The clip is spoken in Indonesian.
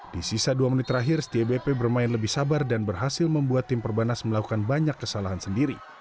di sisa dua menit terakhir setia bp bermain lebih sabar dan berhasil membuat tim perbanas melakukan banyak kesalahan sendiri